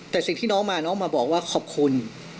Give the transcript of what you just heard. แต่สิ่งที่น้องมาน้องมาบอกว่าขอบคุณ